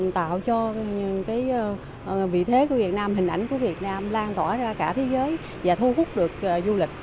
tạo cho vị thế của việt nam hình ảnh của việt nam lan tỏa ra cả thế giới và thu hút được du lịch